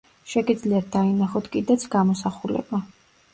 შეგიძლიათ დაინახოთ კიდეც გამოსახულება.